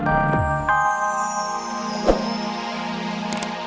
jangan terlalu banyak bicara